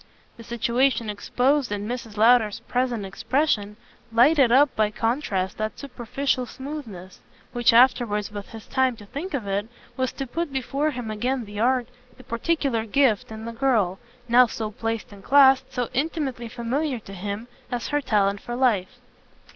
The situation exposed in Mrs. Lowder's present expression lighted up by contrast that superficial smoothness; which afterwards, with his time to think of it, was to put before him again the art, the particular gift, in the girl, now so placed and classed, so intimately familiar for him, as her talent for life.